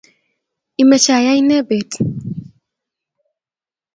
imeche iyay ne beet?